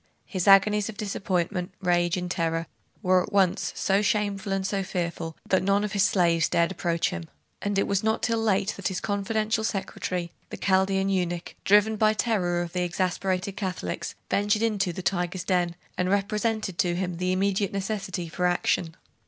His agonies of disappointment, rage, and terror were at once so shameful and so fearful, that none of his slaves dare approach him; and it was not till late that his confidential secretary, the Chaldean eunuch, driven by terror of the exasperated Catholics, ventured into the tiger's den, and represented to him the immediate necessity for action.